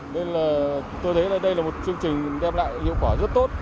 nên là tôi thấy là đây là một chương trình đem lại hiệu quả rất tốt